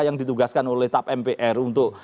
yang ditugaskan oleh tap mpr untuk